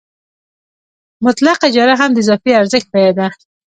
مطلقه اجاره هم د اضافي ارزښت بیه ده